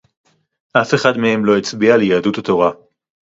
אף אחד מהם לא הצביע ליהדות התורה